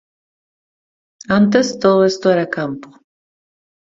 Antes, todo esto era campo